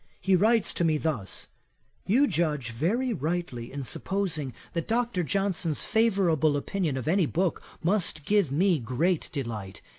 He writes to me thus: "You judge very rightly in supposing that Dr. Johnson's favourable opinion of any book must give me great delight.